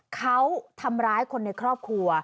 เขาทำร้ายคนในครอบครัว